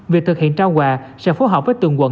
việc thực hiện trao quà sẽ phối hợp với từng quận